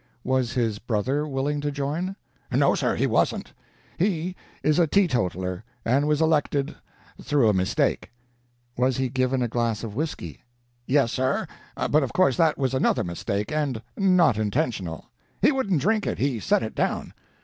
"Was his brother willing to join?" "No, sir, he wasn't. He is a teetotaler, and was elected through a mistake." "Was he given a glass of whisky?" "Yes, sir, but of course that was another mistake, and not intentional. He wouldn't drink it. He set it down."